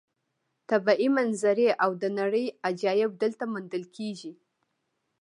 طبیعي منظرې او د نړۍ عجایب دلته موندل کېږي.